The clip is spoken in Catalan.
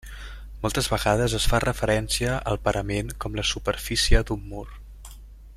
Moltes vegades es fa referència al parament com la superfície d'un mur.